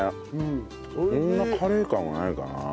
そんなカレー感はないかな。